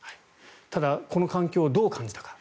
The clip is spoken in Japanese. ただ、この環境をどう感じたか。